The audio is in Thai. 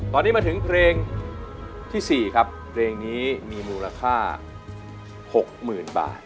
ตอนนี้มาถึงเพลงที่๔ครับเพลงนี้มีมูลค่า๖๐๐๐บาท